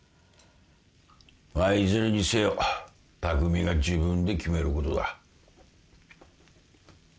まあいずれにせよ匠が自分で決めることだ。